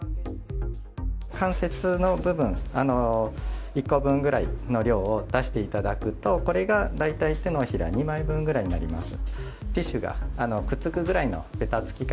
関節の部分１個分ぐらいの量を出していただくとこれが、大体手のひら２枚分くらいになります。